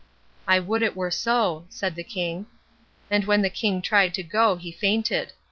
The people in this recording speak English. "I would it were so," said the king. And when the king tried to go he fainted.